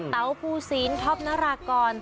เต้าภูซีนทอบนรากร